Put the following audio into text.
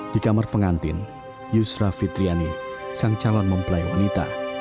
di kamar pengantin yusra fitriani sang calon mempelai wanita